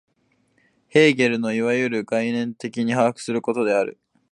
ヘーゲルのいわゆる概念的に把握することである。